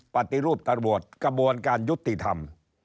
ปฏิรูปตำรวจกระบวนการยุติธรรม